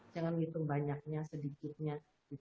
jangan hitung banyaknya sedikitnya